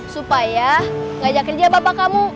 supaya ngajak kerja bapak kamu